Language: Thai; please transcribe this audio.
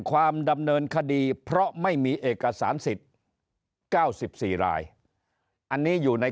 ความดำเนินคดีเพราะไม่มีเอกสารสิทธิ์๙๔รายอันนี้อยู่ใน